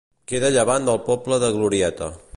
Queda a llevant del poble de Glorieta.